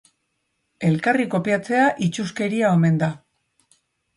Elkarri kopiatzea itsuskeria omen da.